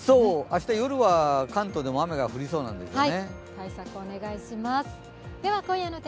明日、夜は関東でも雨が降りそうなんですよね。